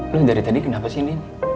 lo dari tadi kenapa sih nin